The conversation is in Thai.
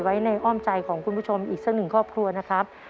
ไว้ในอ้อมใจของคุณผู้ชมอีกสักหนึ่งครอบครัวนะครับ